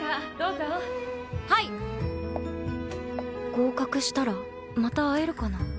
合格したらまた会えるかな